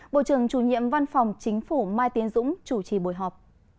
bộ trưởng chủ nhiệm văn phòng chính phủ mai tiến dũng chủ trì buổi họp